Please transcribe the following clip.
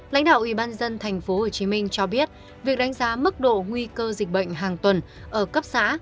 lãnh đạo ủy ban dân tp hcm cho biết việc đánh giá mức độ nguy cơ dịch bệnh hàng tuần ở cấp xã